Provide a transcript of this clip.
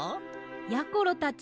やころたち